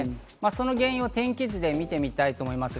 その原因を天気図で見たいと思います。